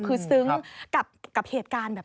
คือซึ้งกับเหตุการณ์แบบ